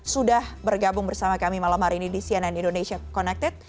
sudah bergabung bersama kami malam hari ini di cnn indonesia connected